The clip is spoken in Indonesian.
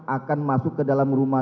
akan masuk ke dalam rumah